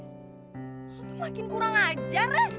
oh itu makin kurang aja rek